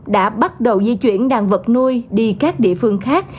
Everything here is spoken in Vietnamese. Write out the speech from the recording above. đã bắt đầu di chuyển đàn vật nuôi đi các địa phương khác